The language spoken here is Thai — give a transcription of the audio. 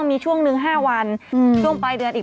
ก็ตื่นกลับปีเนี่ยปี